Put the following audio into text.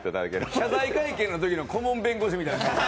謝罪会見のときの顧問弁護士みたいな。